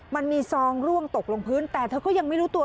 มันมีซองร่วงตกลงพื้นแต่เธอก็ยังไม่รู้ตัว